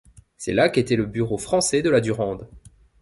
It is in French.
C’est là qu’était le bureau français de la Durande.